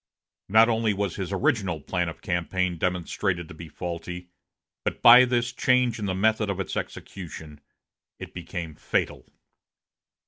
Not alone was his original plan of campaign demonstrated to be faulty, but by this change in the method of its execution it became fatal.